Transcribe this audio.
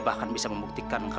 saya juga ingin mencari saskia